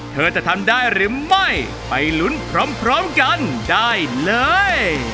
เธอจะทำได้หรือไม่ไปลุ้นพร้อมกันได้เลย